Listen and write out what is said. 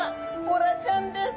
ボラちゃんです！